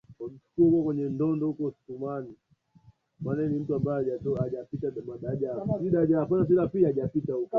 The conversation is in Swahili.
nitrojeni pia vinaweza kudhuru mifumo ya ikolojia ya misitu na